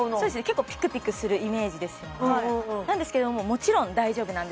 結構ピクピクするイメージですよねなんですけどももちろん大丈夫なんですね